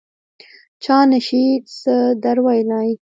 چا نه شي څه در ویلای.